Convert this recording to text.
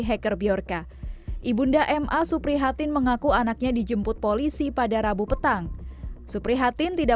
hacker bjorka ibunda ma suprihatin mengaku anaknya dijemput polisi pada rabu petang suprihatin tidak